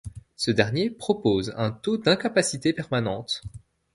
Ce dernier propose un taux d'incapacité permanente.